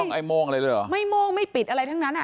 ไม่ต้องไอโมงอะไรเลยหรอไม่โมงไม่ปิดอะไรทั้งนั้นน่ะ